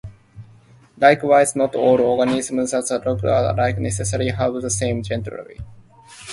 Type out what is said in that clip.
Likewise, not all organisms that look alike necessarily have the same genotype.